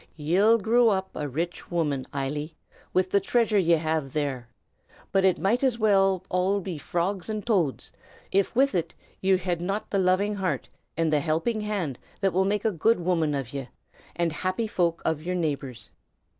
Ye'll grow up a rich woman, Eily, with the treasure ye have there; but it might all as well be frogs and toads, if with it ye have not the loving heart and the helping hand that will make a good woman of ye, and happy folk of yer neighbors.